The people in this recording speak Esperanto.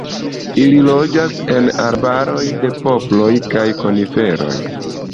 Ili loĝas en arbaroj de poploj kaj koniferoj.